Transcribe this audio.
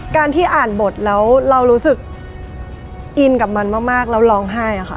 การที่อ่านโจมตีดลาซงวีดีตและเรารู้สึกอินกับมันมากแล้วร้องไห้อะค่ะ